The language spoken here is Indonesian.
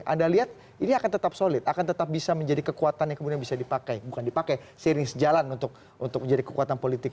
anda lihat ini akan tetap solid akan tetap bisa menjadi kekuatan yang kemudian bisa dipakai bukan dipakai seiring sejalan untuk menjadi kekuatan politik